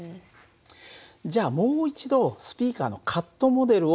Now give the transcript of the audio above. じゃあもう一度スピーカーのカットモデルを見てごらん。